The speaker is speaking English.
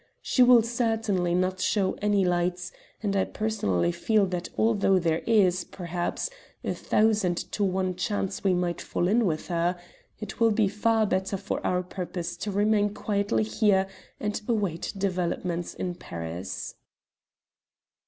She will certainly not show any lights, and I personally feel that although there is, perhaps, a thousand to one chance we might fall in with her, it will be far better for our purpose to remain quietly here and await developments in Paris."